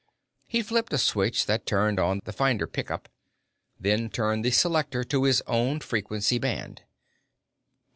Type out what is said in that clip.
He flipped a switch that turned on the finder pickup, then turned the selector to his own frequency band.